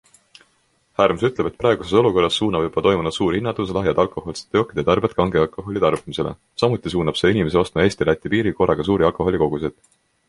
Härms ütleb, et praeguses olukorras suunab juba toimunud suur hinnatõus lahjade alkohoolsete jookide tarbijaid kange alkoholi tarbimisele, samuti suunab see inimesi ostma Eesti-Läti piiril korraga suuri alkoholikoguseid.